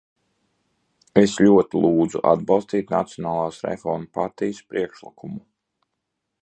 Es ļoti lūdzu atbalstīt Nacionālās reformu partijas priekšlikumu.